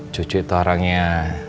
cucu itu orangnya